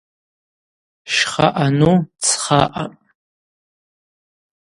Щха ъану цха аъапӏ.